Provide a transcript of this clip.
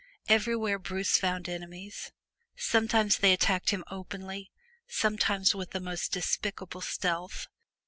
Everywhere Bruce found enemies. Sometimes they attacked him openly, sometimes with the most despicable stealth.